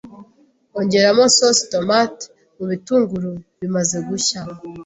Ongeramo sauce tomate mubitunguru bimaze gushya,